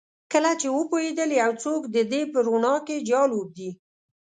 کله چې وپوهیدل یو څوک د دې په روڼا کې جال اوبدي